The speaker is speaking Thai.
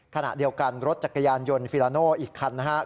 ขณะเดียวกันรถจักรยานยนต์ฟิลาโน่อีกคันนะครับ